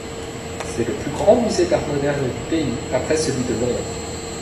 C'est le plus grand musée d'art moderne du pays après celui de Londres.